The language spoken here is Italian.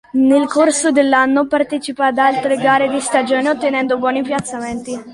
Nel corso dell'anno partecipa ad altre gare di stagione, ottenendo buoni piazzamenti.